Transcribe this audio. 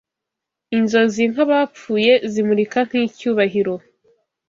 Inzozi nk'abapfuye, zimurika nk'icyubahiro